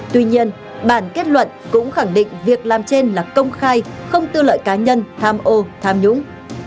tuy nhiên bản kết luận cũng khẳng định việc làm trên là công khai không tư lợi cá nhân tham ô tham nhũng